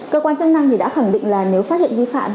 cơ quan chức năng thì đã khẳng định là nếu phát hiện vi phạm